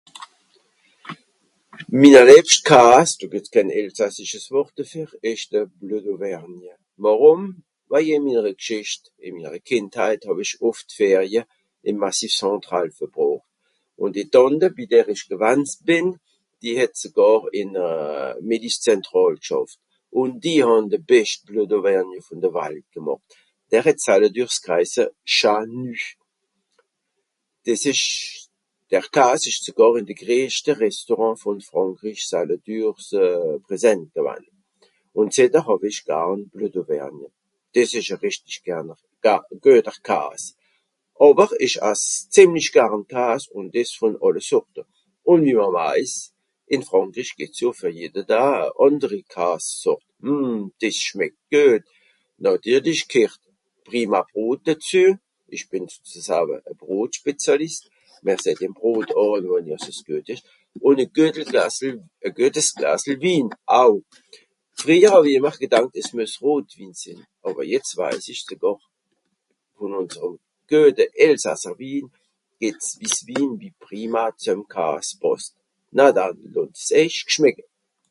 minner letscht kàs esch de bleu d'auvergne wàrùm waje i minnere gschecht in minere kìntheìt hàw'ìsch òft d'ferie em massif central verbroocht à di tànte bi der ìsch gewann's bin di het sògar ìn euh melich zentràl g'schàft ùn die hàn de bescht bleu d'auvergne vòn de walt gemàcht der het z'alledürs s'gaisse chanü des esch der kaas esch sògàr ìn de greischte restaurant vòn frànkrisch z'alledürs presänt gewann ùn zìtter hàw'isch garn bleu d'auvergne des esch à .... geuter kaas àwer ìsch ass zemlich garn kaas ùn des vòn alle sorte ùn ... ìn frànkrisch geht so ver jeder daa à ànderi kaas sort mhh des schmeckt guet nàtirlich gehrt prima brot dezeu ìsch bìn sozuseuje à brot speziàlist mr seht ìm brot àn wann ass es guet esch ùn a guete glassel à guetes glassel win aw freijer hàw'i ìmmer gedankt as meusse rot win sìn àwer jetz waiss isch sogàr wò unserem gueter elsasser win geb's wiss win prima zuem kaas pàsst nada loss'eich schmecke